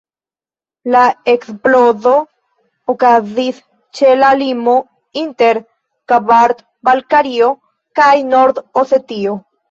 La eksplodo okazis ĉe la limo inter Kabard-Balkario kaj Nord-Osetio.